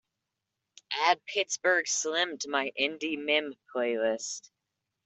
Add pittsburgh slim to my indie mim playlist.